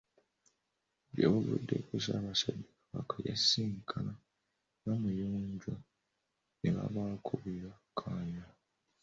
Gye buvuddeko Ssaabasajja Kabaka yasisinkana Namuyonjo ne babaako bye bakkaanya.